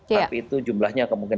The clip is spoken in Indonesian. tapi itu jumlahnya kemungkinan